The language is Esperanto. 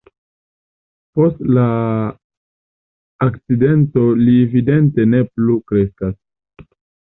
Post la akcidento li evidente ne plu kreskas.